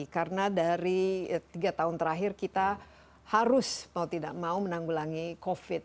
karena dari tiga tahun terakhir kita harus mau tidak mau menanggulangi covid